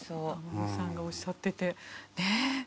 皆さんがおっしゃっててねえ。